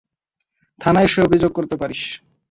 থানায় এসে অভিযোগ করতে পারিস।